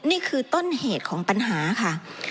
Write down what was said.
นี่คือต้นเหตุของปัญหาค่ะ